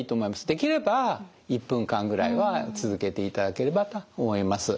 できれば１分間ぐらいは続けていただければと思います。